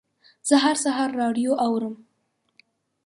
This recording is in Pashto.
زه هر سهار راډیو اورم.